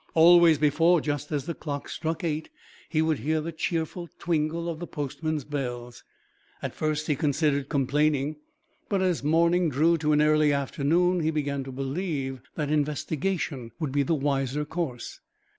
Always before, just as the clock struck eight, he would hear the cheerful tinkle of the postman's bells. At first he considered complaining; but as morning drew to early afternoon he began to believe that investigation would be the wiser course.